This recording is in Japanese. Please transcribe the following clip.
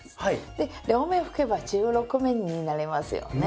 で両面拭けば１６面になりますよね。